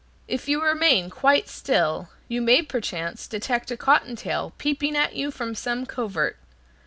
If you remain quite still, you may perchance detect a cotton tail peeping at you from some covert.